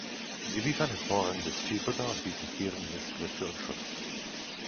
Sie liefern hervorragendes Viehfutter und bieten Tieren Nistplätze und Schutz.